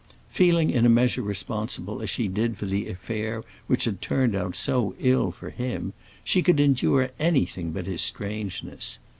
Feeling in a measure responsible as she did for the affair which had turned out so ill for him, she could endure anything but his strangeness.